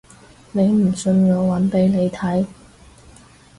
你唔信我搵俾你睇